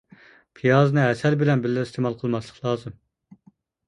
پىيازنى ھەسەل بىلەن بىللە ئىستېمال قىلماسلىق لازىم.